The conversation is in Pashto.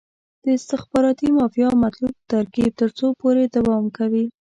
د استخباراتي مافیا مطلوب ترکیب تر څو پورې دوام کوي.